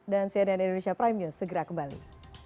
dan siadaan indonesia prime news segera kembali